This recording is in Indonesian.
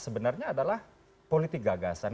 sebenarnya adalah politik gagasan